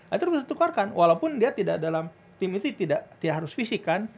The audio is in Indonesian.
itu harus ditukarkan walaupun dia tidak dalam tim itu tidak harus fisik kan